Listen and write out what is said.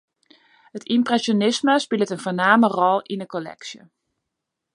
It ympresjonisme spilet in foarname rol yn 'e kolleksje.